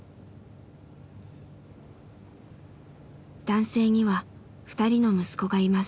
男性には２人の息子がいます。